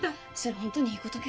ホントにいいことけ？